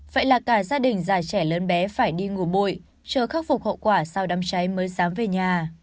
vậy là cả gia đình dài trẻ lớn bé phải đi ngủ chờ khắc phục hậu quả sau đám cháy mới dám về nhà